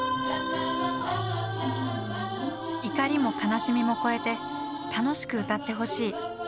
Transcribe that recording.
怒りも悲しみも超えて楽しく歌ってほしい。